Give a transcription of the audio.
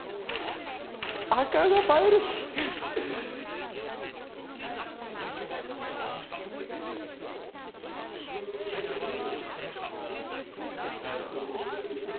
赤が映えるし綾華うん？